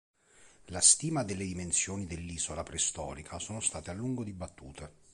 La stima delle dimensioni dell'isola preistorica sono state a lungo dibattute.